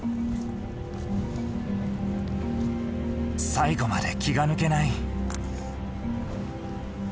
最後まで気が抜けない。